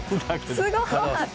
すごい！